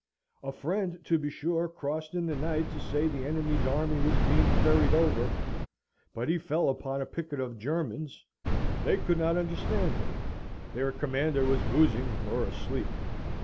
A friend, to be sure, crossed in the night to say the enemy's army was being ferried over, but he fell upon a picket of Germans: they could not understand him: their commander was boozing or asleep.